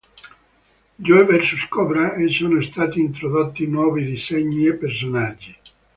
Joe vs. Cobra" e sono stati introdotti nuovi disegni e personaggi.